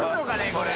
これ。